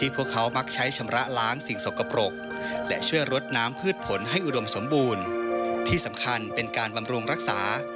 พระแม่คงคา